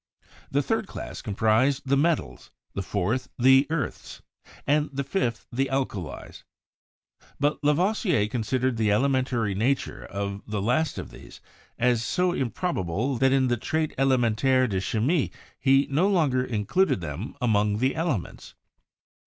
The third class comprised the metals, the fourth the earths, and the fifth the alkalies; but Lavoisier considered the ele mentary nature of the last of these as so improbable that in the "Traite Elementaire de Chimie" he no longer in cluded them among the elements.